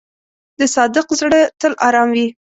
د صادق زړه تل آرام وي.